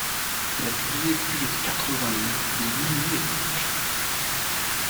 Il a publié plus de quatre-vingts livres, et des milliers d'articles.